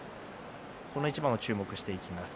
この一番に注目していきます。